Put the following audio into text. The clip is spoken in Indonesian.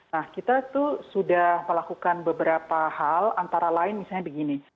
nah kita tuh sudah melakukan beberapa hal antara lain misalnya begini